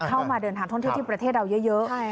เข้ามาเดินทางท่องเที่ยวที่ประเทศเราเยอะ